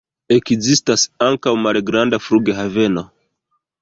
Ekzistas ankaŭ malgranda flughaveno.